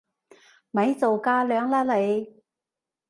咪做架樑啦你！